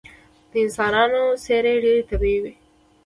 د انسانانو څیرې ډیرې طبیعي وې